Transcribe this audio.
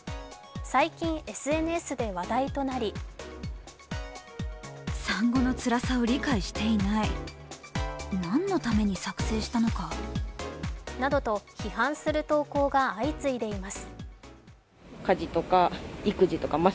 最近、ＳＮＳで話題となりなどと批判する投稿が相次いでいます。